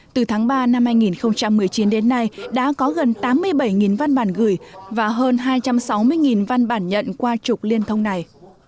từ tháng ba năm hai nghìn một mươi chín đến nay đã có gần tám mươi bảy văn bản gửi và hơn hai trăm sáu mươi văn bản nhận qua trục liên thông này